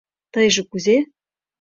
— Тыйже кузе?